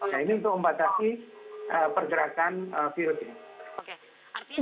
nah ini untuk membatasi pergerakan virusnya